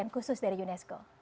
ada perhatian khusus dari unesco